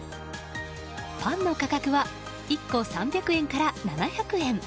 パンの価格は１個３００円から７００円。